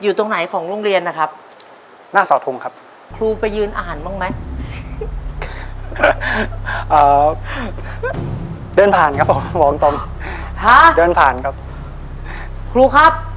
อย่างละสี่ถุงนะครับอย่างละสี่ถุงนะครับ